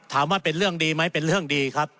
ถามว่าเป็นเรื่องดีไหมเป็นเรื่องดีครับ